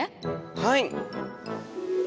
はい。